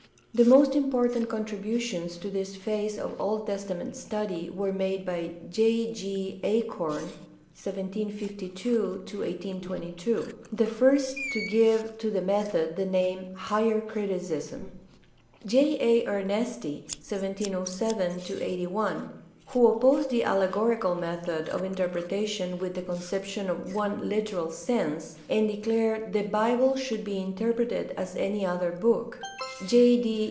The most important contributions to this phase of Old Testament study were made by J. G. Eichhorn (1752 1822), the first to give to the method the name "higher criticism"; J. A. Ernesti (1707 81), who opposed the allegorical method of interpreta tion with the conception of "one literal sense" and declared "the Bible should be interpreted as any other book"; J. D.